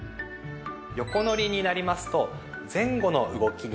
横乗りになりますと前後の動きになります。